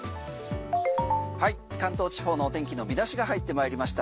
関東地方の天気の見出しが入ってまいりました